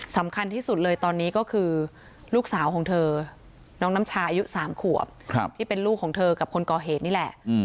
สำคัญที่สุดเลยตอนนี้ก็คือลูกสาวของเธอน้องน้ำชาอายุ๓ขวบที่เป็นลูกของเธอกับคนก่อเหตุนี่แหละ